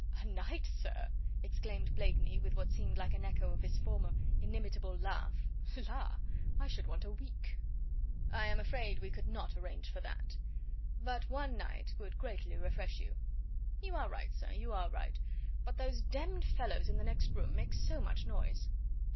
"A night, sir?" exclaimed Blakeney with what seemed like an echo of his former inimitable laugh. "La! I should want a week." "I am afraid we could not arrange for that, but one night would greatly refresh you." "You are right, sir, you are right; but those d d fellows in the next room make so much noise."